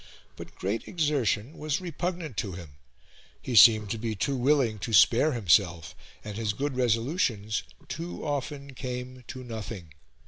But great exertion was repugnant to him; he seemed to be too willing to spare himself, and his good resolutions too often came to nothing.